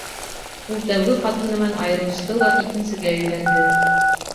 Ул тәүге ҡатыны менән айырылышты ла икенсегә өйләнде.